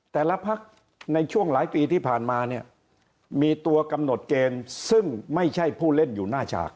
แต่ละพักในช่วงหลายปีที่ผ่านมาเนี่ยมีตัวกำหนดเกณฑ์ซึ่งไม่ใช่ผู้เล่นอยู่หน้าฉาก